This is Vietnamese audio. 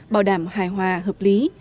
bảo đảm hài hòa hợp lý